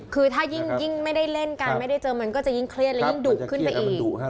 คือถ้ายิ่งไม่ได้เล่นกันไม่ได้เจอมันก็จะยิ่งเครียดและยิ่งดุขึ้นไปอีก